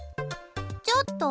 ちょっと！